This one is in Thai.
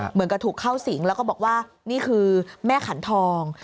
เหมือนกับถูกเข้าสิงแล้วก็บอกว่านี่คือแม่ขันทอง